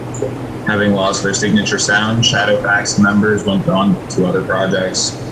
Having lost their signature sound, Shadowfax's members went on to other projects.